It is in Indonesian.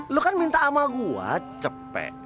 lo kan minta sama gue cepek